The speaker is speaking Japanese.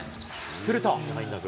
すると。